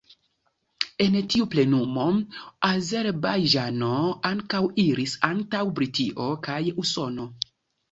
En tiu plenumo, Azerbajĝano ankaŭ iris antaŭ Britio kaj Usono.